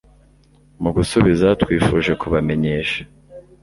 Mu gusubiza twifuje kubamenyesha